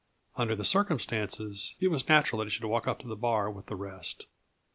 Under the circumstances, it was natural that he should walk up to the bar with the rest.